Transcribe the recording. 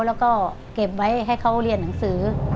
แล้วก็เก็บไว้ให้เขาเรียนหนังสือ